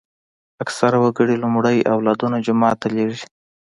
اکثره وګړي لومړی اولادونه جومات ته لېږي.